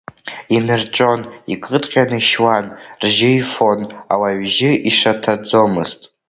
Инирҵәон, икыдҟьан ишьуан, ржьы ифон, ауаҩ ижьы ишаҭаӡомызт.